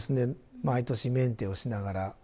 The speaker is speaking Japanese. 毎年メンテをしながら。